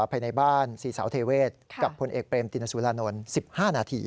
ภายในบ้านศรีสาวเทเวศกับพลเอกเบรมตินสุรานนท์๑๕นาที